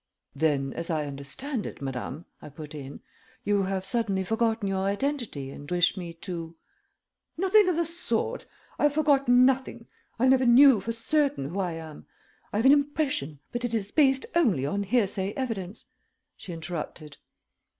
"Then, as I understand it, madame," I put in, "you have suddenly forgotten your identity and wish me to " "Nothing of the sort. I have forgotten nothing. I never knew for certain who I am. I have an impression, but it is based only on hearsay evidence," she interrupted.